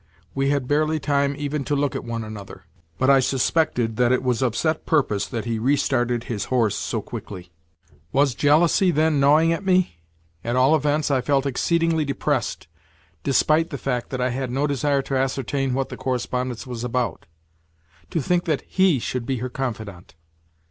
We had barely time even to look at one another, but I suspected that it was of set purpose that he restarted his horse so quickly. Was jealousy, then, gnawing at me? At all events, I felt exceedingly depressed, despite the fact that I had no desire to ascertain what the correspondence was about. To think that he should be her confidant!